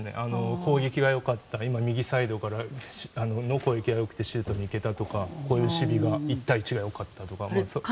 攻撃がよかった今、右サイドからシュートに行けたとかこういう守備が１対１がよかったとか。